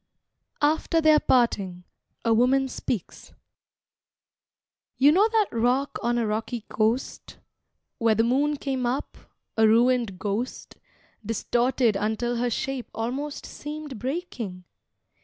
AFTER THEIR PARTING (A Woman Speaks) You know that rock on a rocky coast, Where the moon came up, a ruined ghost, Distorted until her shape almost Seemed breaking?